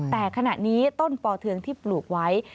แต่ขณะนี้ต้นปอเทืองที่ปลูกไว้